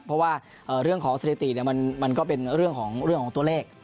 เพราะว่าเรื่องของสถิติมันก็เป็นเรื่องของตัวเลข